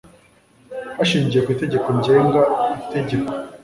hashingiwe ku itegeko ngenga itegeko